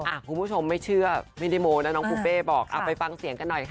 คุณผู้ชมไม่เชื่อไม่ได้โมนะน้องปูเป้บอกเอาไปฟังเสียงกันหน่อยค่ะ